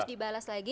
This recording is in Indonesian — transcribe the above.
terus dibalas lagi